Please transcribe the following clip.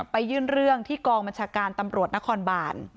ไปยื่นเรื่องที่กองบัญชาการตำรวจนครบาน